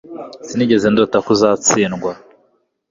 Sinigeze ndota ko uzatsindwa